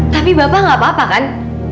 tapi bapak gak apa apa kan